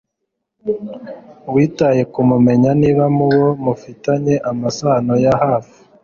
witaye ku kumenya niba mu bo mufitanye amasano ya hafi